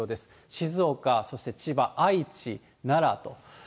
静岡、そして千葉、愛知、奈良と。